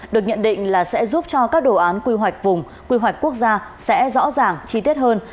được nhận định là sẽ giúp cho các đồ án quy hoạch vùng quy hoạch quốc gia sẽ rõ ràng chi tiết hơn